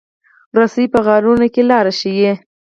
رسۍ په غارونو کې لار ښيي.